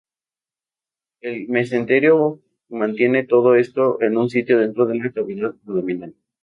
El mesenterio mantiene todo esto en su sitio dentro de la cavidad abdominal.